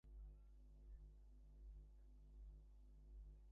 খোট্টার দেশে থাকিয়া খোট্টা হইয়া গেছে!